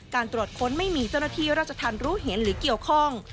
ตรวจค้นไม่มีเจ้าหน้าที่ราชธรรมรู้เห็นหรือเกี่ยวข้อง